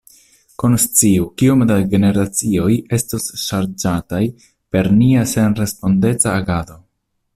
Konsciu, kiom da generacioj estos ŝarĝataj per nia senrespondeca agado.